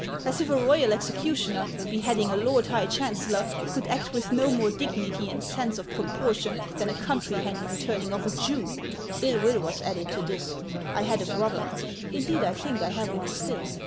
As if a royal executioner beheading a lord high chancellor could act with no more dignity and sense of proportion than a country hangman turning off a Jew ! Ill will was added to this. I had a brother ; indeed, I think I have one still.